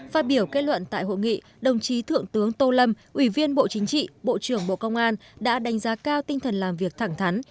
phát biểu kết luận tại hội nghị đồng chí thượng tướng tô lâm ủy viên bộ chính trị bộ trưởng bộ công an đã đánh giá cao tinh thần làm việc thẳng thắn